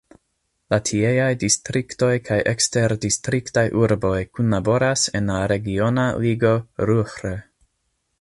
La tieaj distriktoj kaj eksterdistriktaj urboj kunlaboras en la regiona ligo Ruhr.